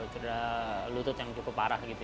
cedera lutut yang cukup parah gitu